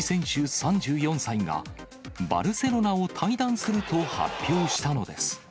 ３４歳が、バルセロナを退団すると発表したのです。